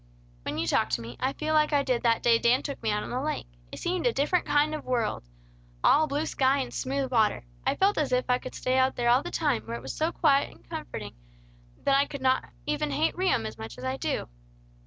When you talk to me, I feel like I did that day Dan took me out on the lake. It seemed a different kind of a world, all blue sky and smooth water. I felt if I could stay out there all the time, where it was so quiet and comforting, that I could not even hate Rehum as much as I do."